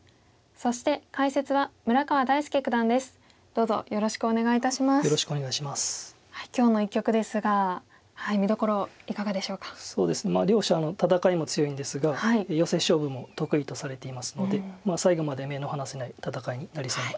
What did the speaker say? そうですね両者戦いも強いんですがヨセ勝負も得意とされていますので最後まで目の離せない戦いになりそうな気がしています。